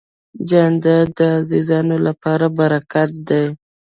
جانداد د عزیزانو لپاره برکت دی.